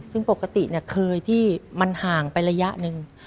ซึ่งปกติเคยที่มันห่างไประยะหนึ่ง